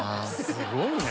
すごいな！